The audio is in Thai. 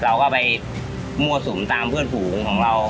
เราก็ไปมั่วสุมตามเพื่อนฝูงของเรา